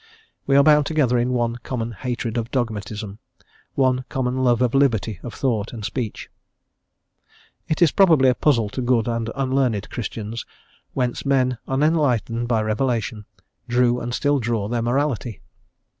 We are bound together in one common hatred of Dogmatism, one common love of liberty of thought and speech. It is probably a puzzle to good and unlearned Christians whence men, unenlightened by revelation, drew and still draw their morality.